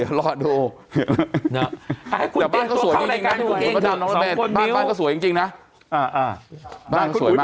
อย่าเล่นดูในรายการเราบ้าน